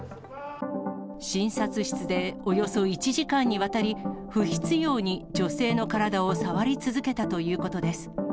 診察室でおよそ１時間にわたり、不必要に女性の体を触り続けたということです。